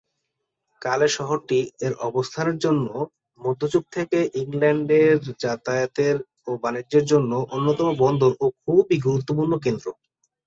কালে শহরটি এর অবস্থানের জন্য মধ্যযুগ থেকে ইংল্যান্ডের সাথে যাতায়াত ও বাণিজ্যের জন্য অন্যতম বন্দর ও খুবই গুরুত্বপূর্ণ কেন্দ্র।